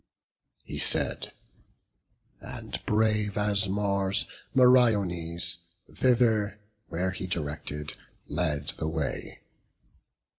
He said: and, brave as Mars, Meriones, Thither where he directed, led the way.